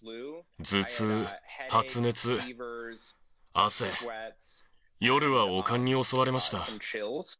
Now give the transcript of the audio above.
頭痛、発熱、汗、夜は悪寒に襲われました。